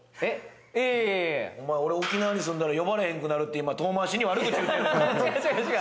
俺沖縄に住んだら呼ばれなくなるって遠まわしに悪口言ってるやろ！